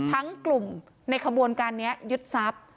กลุ่มในขบวนการนี้ยึดทรัพย์